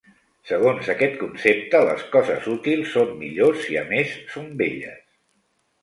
Segons aquest concepte les coses útils són millors si a més són belles.